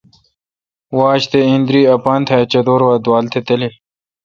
واجتے° ایندری اپان تہ اچدور وا دووال تہ تلیل۔